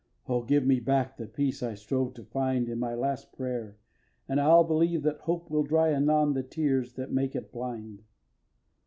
Oh, give me back the peace I strove to find In my last prayer, and I'll believe that Hope Will dry anon the tears that make it blind.